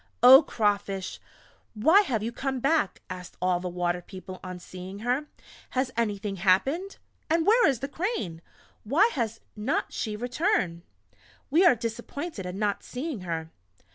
"Oh, Crawfish! Why have you come back?" asked all the Water people on seeing her. "Has anything happened? And where is the Crane? Why has not she returned? We are disappointed at not seeing her!"